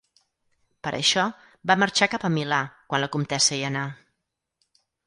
Per això, va marxar cap a Milà, quan la comtessa hi anà.